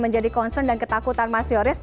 menjadi concern dan ketakutan mas yoris